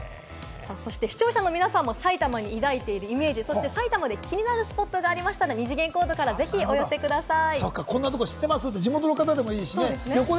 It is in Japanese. そして視聴者の皆さんも埼玉に抱いているイメージ、そして埼玉で気になるスポットがありましたら、二次元コードからぜひお寄せください。